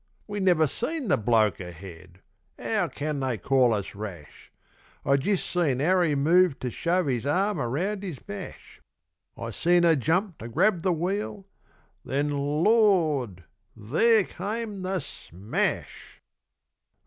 We never seen the bloke ahead! 'Ow can they call us rash? I jist seen 'Arry move to shove 'Is arm around 'is mash; I seen 'er jump to grab the wheel, Then, Lord!...there came the smash!